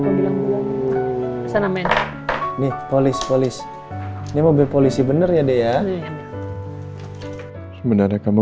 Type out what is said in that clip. mobil ambulansi sana menik polis polis mobil polisi bener ya dea sebenarnya kamu